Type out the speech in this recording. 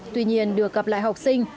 tuy nhiên được gặp lại học sinh